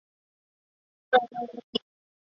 福岛氏由福岛忠胜的孙子正胜继嗣。